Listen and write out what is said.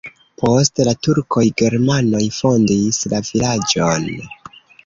Post la turkoj germanoj fondis la vilaĝon.